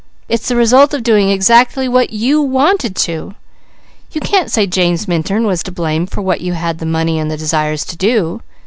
"It's the result of doing exactly what you wanted to! You can't say James Minturn was to blame for what you had the money and the desire to do.